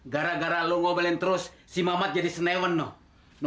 gara gara lo ngobelin terus si mama jadi senewen